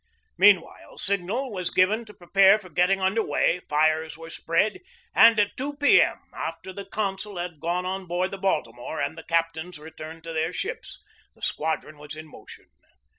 Mean while, signal was given to prepare for getting under way, fires were spread, and at 2 p. M., after the consul had gone on board the Baltimore and the cap tains returned to their ships, the squadron was in motion.